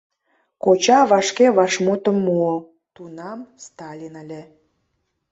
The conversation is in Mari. Коча вашке вашмутым муо: тунам Сталин ыле.